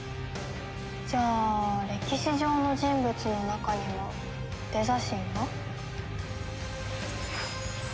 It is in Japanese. じゃあ歴史上の人物の中にもデザ神が？